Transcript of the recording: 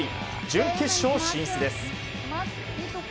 準決勝進出です。